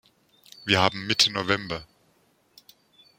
Wir haben Mitte November.